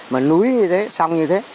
mà núi như thế sông như thế